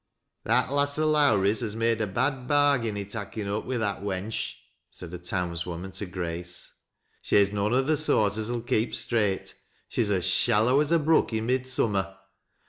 "That lass o' Lowrie's has made a bad bargain, i' takin' up wi' that wench," said a townswoman to Grace. " She'e noan one o' th' soart as '11 keep straight. She's as shallow as a brook i' midsummer.